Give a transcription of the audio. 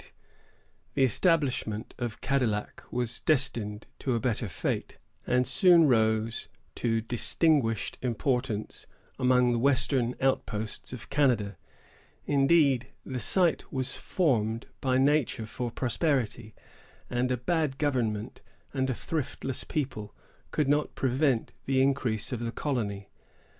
The establishment of Cadillac was destined to a better fate, and soon rose to distinguished importance among the western outposts of Canada. Indeed, the site was formed by nature for prosperity; and a bad government and a thriftless people could not prevent the increase of the colony.